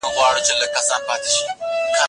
چیرته د اجتماعي تحلیلونو پراختیا ته اړتیا لیدل کیږي؟